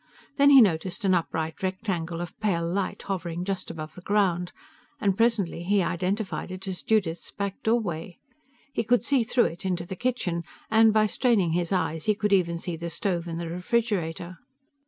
Then he noticed an upright rectangle of pale light hovering just above the ground, and presently he identified it as Judith's back doorway. He could see through it into the kitchen, and by straining his eyes, he could even see the stove and the refrigerator.